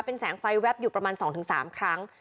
เป็นแสงไฟแวบอยู่ประมาณ๒๓ครั้ง